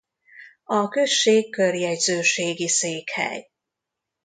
A község körjegyzőségi székhely.